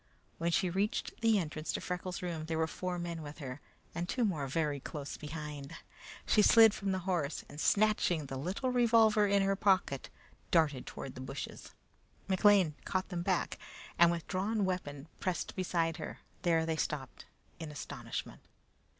When she reached the entrance to Freckles' room, there were four men with her, and two more very close behind. She slid from the horse, and snatching the little revolver from her pocket, darted toward the bushes. McLean caught them back, and with drawn weapon, pressed beside her. There they stopped in astonishment.